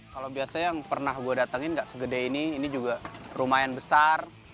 kalau biasanya yang pernah gue datangin nggak segede ini ini juga lumayan besar